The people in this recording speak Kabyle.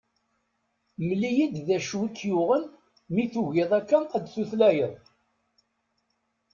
Mel-iyi-d d acu i k-yuɣen mi tugiḍ akka ad d-tutlayeḍ.